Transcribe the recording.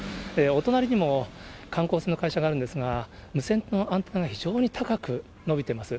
お隣にも観光船の会社があるんですが、無線のアンテナが非常に高く伸びてます。